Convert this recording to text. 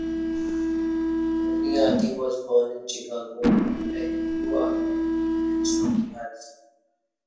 Moriarty was born in Chicago, where he grew up near the Union Stock Yards.